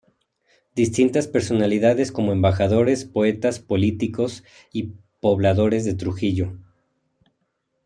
Distintas personalidades como embajadores, poetas, políticos y pobladores de Trujillo.